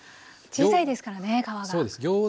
小さいですからね皮が。